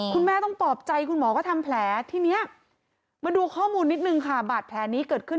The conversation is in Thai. คุณแม่ต้องปลอบใจคุณหมอก็ทำแผลที่นี้มาดูข้อมูลนิดนึงค่ะบาดแผลนี้เกิดขึ้น